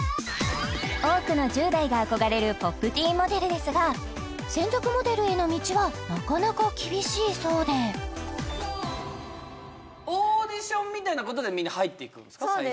多くの１０代が憧れるＰｏｐｔｅｅｎモデルですが専属モデルへの道はなかなか厳しいそうでオーディションみたいなことでみんな入っていくんですか最初？